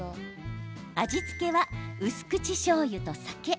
味付けは薄口しょうゆと酒。